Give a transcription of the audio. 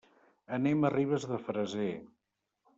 Anem a Ribes de Freser.